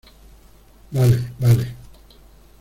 vale. vale .